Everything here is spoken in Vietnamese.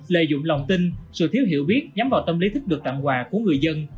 lợi dụng lòng tin sự thiếu hiểu biết nhắm vào tâm lý thức được tặng quà của người dân